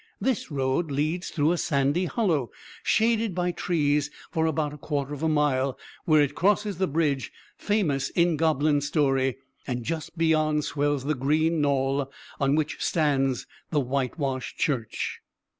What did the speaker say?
This road leads through a sandy hollow, shaded by trees for about a quarter of a mile, where it crosses the bridge famous in goblin story; and just beyond swells the green knoll on which stands the whitewashed church.